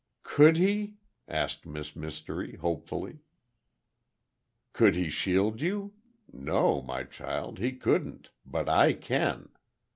"Could he?" asked Miss Mystery, hopefully. "Could he shield you? No, my child, he couldn't, but I can.